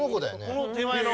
この手前の。